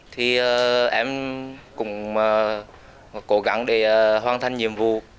thì em cũng cố gắng để hoàn thành nhiệm vụ